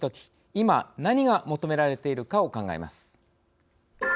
今何が求められているかを考えます。